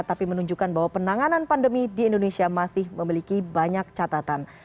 tapi menunjukkan bahwa penanganan pandemi di indonesia masih memiliki banyak catatan